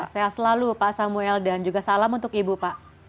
sehat selalu pak samuel dan juga salam untuk ibu pak